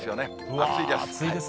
暑いです。